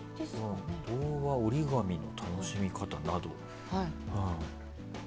童話、折り紙の楽しみ方など。